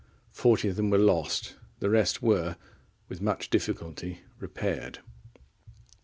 Forty of them were lost, the rest were, with much difficulty, repaired.